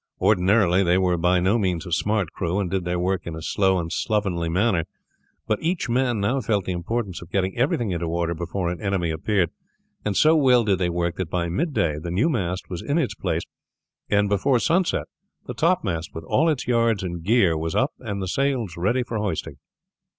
Ordinarily they were by no means a smart crew, and did their work in a slow and slovenly manner; but each man now felt the importance of getting everything into order before an enemy appeared, and so well did they work that by midday the new mast was in its place, and before sunset the topmast with all its yards and gear was up and the sails ready for hoisting.